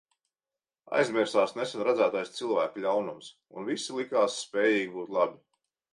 Aizmirsās nesen redzētais cilvēku ļaunums, un visi likās spējīgi būt labi.